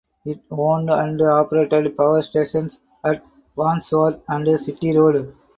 It owned and operated power stations at Wandsworth and City Road.